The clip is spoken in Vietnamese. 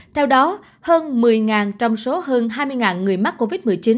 theo đó hơn một mươi trong số hơn hai mươi người mắc covid một mươi chín